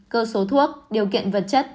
cơ số thuốc điều kiện vật chất